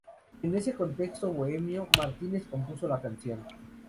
En ese contexto bohemio Martínez compuso la canción.